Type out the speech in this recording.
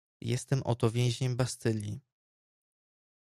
Jestem oto więźniem Bastylii.